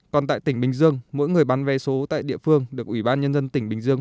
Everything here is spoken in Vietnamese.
còn tại tỉnh bình dương mỗi người bán vé số tại địa phương được ủy ban nhân dân tỉnh bình dương